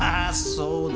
そうだ。